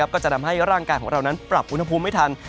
ก็จะทำให้ร่างกายของเรานั้นปรับอุณหภูมิไม่ทัน